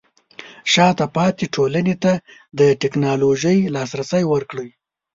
شاته پاتې ټولنې ته د ټیکنالوژۍ لاسرسی ورکړئ.